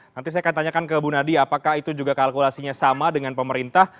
nanti saya akan tanyakan ke bu nadia apakah itu juga kalkulasinya sama dengan pemerintah